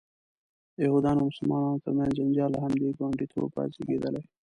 د یهودانو او مسلمانانو ترمنځ جنجال له همدې ګاونډیتوبه زیږېدلی.